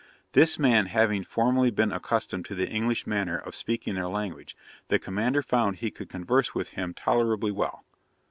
This man having formerly been accustomed to the English manner of speaking their language, the Commander found he could converse with him tolerably well.